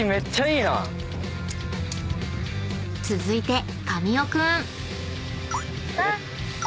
［続いて神尾君］